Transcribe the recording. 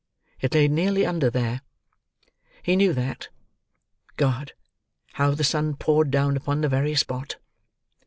It lay nearly under there. He knew that. God, how the sun poured down upon the very spot!